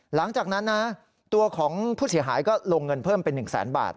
หลังจากนั้นนะตัวของผู้เสียหายก็ลงเงินเพิ่มเป็น๑แสนบาท